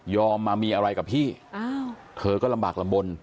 มามีอะไรกับพี่เธอก็ลำบากลำบล